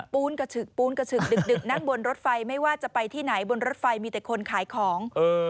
ปูนกระฉึกปูนกระฉึกดึกนั่งบนรถไฟไม่ว่าจะไปที่ไหนบนรถไฟมีแต่คนขายของ